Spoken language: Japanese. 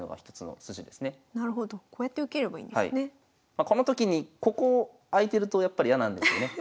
まあこのときにここ開いてるとやっぱり嫌なんですよね。